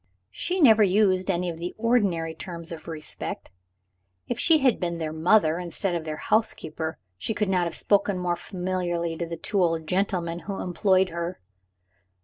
She never used any of the ordinary terms of respect. If she had been their mother, instead of their housekeeper, she could not have spoken more familiarly to the two old gentlemen who employed her.